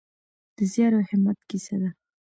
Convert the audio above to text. د زیار او همت کیسه ده.